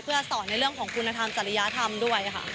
เพื่อสอนในเรื่องของคุณธรรมจริยธรรมด้วยค่ะ